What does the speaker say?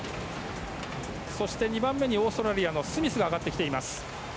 そして２番目にオーストラリアのスミスが上がってきています。